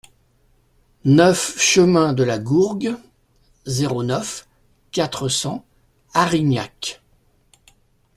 neuf chemin de la Gourgue, zéro neuf, quatre cents Arignac